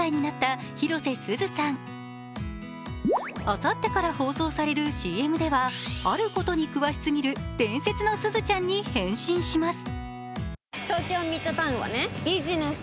あさってから放送されるＣＭではあることに詳しすぎる伝説のすずちゃんに変身します。